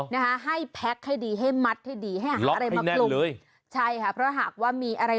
นะคะให้พแลกให้ดีให้มัดให้ดีได้ไหลมาบรมเลยใช่คะเพราะหากว่ามีอะไร